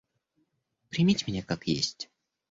Примите меня, как есть.